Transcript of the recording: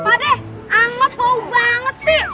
padah anget bau banget sih